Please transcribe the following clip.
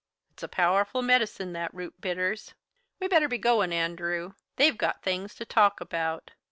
It's a powerful medicine, that root bitters. We better be goin', Andrew. They've got things to talk about.